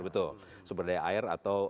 betul sumber daya air atau